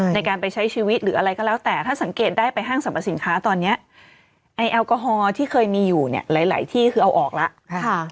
ในการไปใช้ชีวิตหรืออะไรก็แล้วแต่ถ้าสังเกตได้ไปห้างสรรพสินค้าตอนนี้ไอ้แอลกอฮอล์ที่เคยมีอยู่เนี่ยหลายที่คือเอาออกแล้ว